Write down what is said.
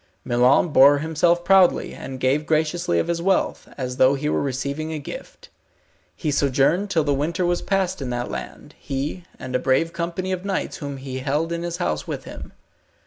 Milon bore himself proudly, and gave graciously of his wealth, as though he were receiving a gift. He sojourned till the winter was past in that land, he, and a brave company of knights whom he held in his house with him.